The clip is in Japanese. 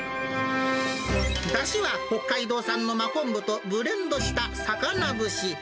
だしは北海道産の真昆布とブレンドした魚節。